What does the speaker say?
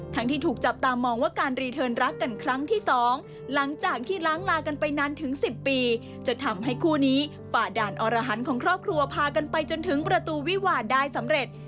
ที่ถูกจับตามองว่าการรีเทิร์นรักกันครั้งที่๒หลังจากที่ล้างลากันไปนานถึง๑๐ปีจะทำให้คู่นี้ฝ่าด่านอรหันของครอบครัวพากันไปจนถึงประตูวิวาได้สำเร็จ